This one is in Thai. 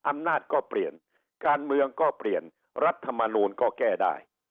อำนาจก็เปลี่ยนการเมืองก็เปลี่ยนรัฐมนูลก็แก้ได้